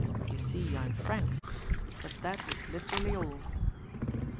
You see I am frank. But that is literally all."